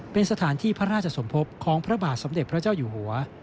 เป็นสถานที่พระราชสมภพของพระบาทสมเด็จพระเจ้าอยู่หัว